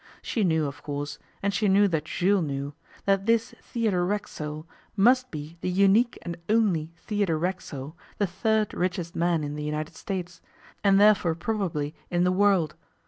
She knew, of course, and she knew that Jules knew, that this Theodore Racksole must be the unique and only Theodore Racksole, the third richest man in the United States, and therefore probably in the world.